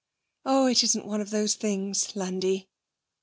'Oh, it isn't one of those things, Landi.'